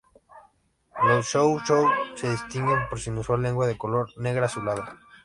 Los chow chow se distinguen por su inusual lengua de color negra-azulada.